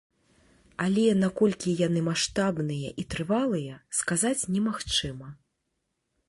Але наколькі яны маштабныя і трывалыя, сказаць немагчыма.